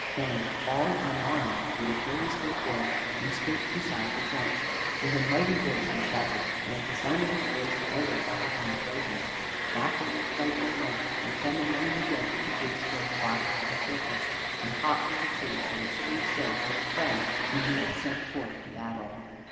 Then, all unarmed, did Achilles go forth, and stood beside the trench. With a mighty voice he shouted, and at the sound of his voice terror fell upon the Trojans. Backward in flight they went, and from among the dead did the Greeks draw the body of Patroclus, and hot were the tears that Achilles shed for the friend whom he had sent forth to battle.